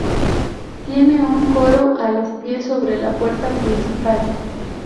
Tiene un coro a los pies sobre la puerta principal.